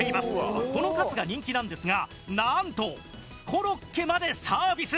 このカツが人気なんですがなんとコロッケまでサービス！